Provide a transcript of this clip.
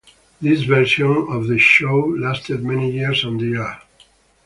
This version of the show lasted many years on the air.